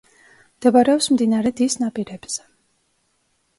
მდებარეობს მდინარე დის ნაპირებზე.